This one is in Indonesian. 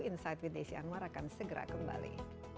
insight with desi anwar akan segera kembali